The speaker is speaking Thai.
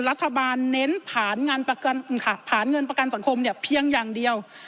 รัฐบาลเน้นผ่านเงินประกันสังคมเนี่ยเพียงอย่างเดียว